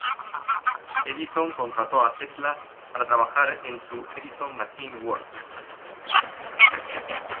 Edison contrató a Tesla para trabajar en su Edison Machine Works.